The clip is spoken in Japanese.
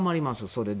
それで。